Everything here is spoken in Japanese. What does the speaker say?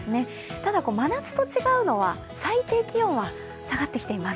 ただ、真夏と違うのは最低気温は下がってきています。